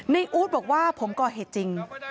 นี่อู๊ดบอกว่าผมก็เห็นจริง